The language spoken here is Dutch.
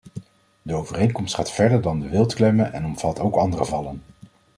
De overeenkomst gaat verder dan de wildklemmen en omvat ook andere vallen.